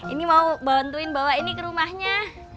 ini mau bantuin bawa ini ke rumahnya